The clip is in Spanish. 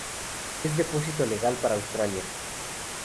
Es depósito legal para Australia.